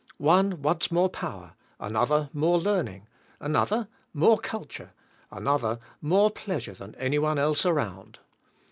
One wants more power, another more learning, another more cul ture, another more pleasure than anyone else around.